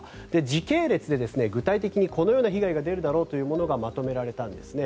時系列で具体的にこのような被害が出るだろうというものがまとめられたんですね。